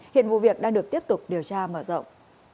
hiện vụ việc đang được tiếp tục điều tra mở rộng